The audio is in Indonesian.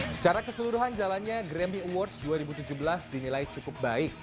secara keseluruhan jalannya grammy awards dua ribu tujuh belas dinilai cukup baik